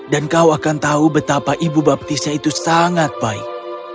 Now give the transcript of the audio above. dan kau akan tahu betapa ibu baptisnya itu sangat baik